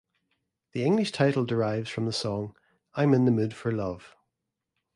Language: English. The English title derives from the song, "I'm in the Mood for Love".